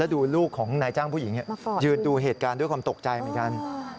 ดูลูกของนายจ้างผู้หญิงยืนดูเหตุการณ์ด้วยความตกใจเหมือนกัน